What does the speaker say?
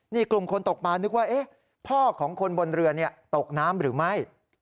นี่กลุ่มคนตกมานึกว่าพ่อของคนบนเรือตกน้ำหรือไม่